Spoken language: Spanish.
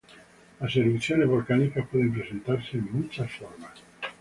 Las erupciones volcánicas pueden presentarse en muchas formas.